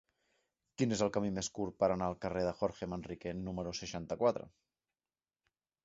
Quin és el camí més curt per anar al carrer de Jorge Manrique número seixanta-quatre?